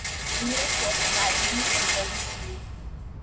Viereck was apparently a German agent.